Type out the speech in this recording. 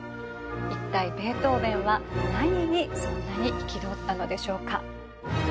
一体ベートーベンは何にそんなに憤ったのでしょうか？